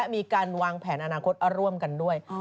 มีการวางแผนอนาคตร่วมกันด้วย